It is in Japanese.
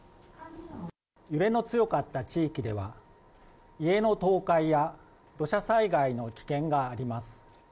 揺れの強かった地域では、家の倒壊や土砂災害の危険があります。